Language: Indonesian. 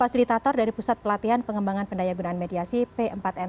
pemimpin pemerintah dari pusat pelatihan pengembangan pendayagunan mediasi p empat m